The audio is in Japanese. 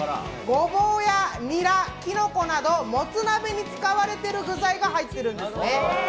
ゴボウや、ニラなどもつ鍋に使われている具材が入っているんですね。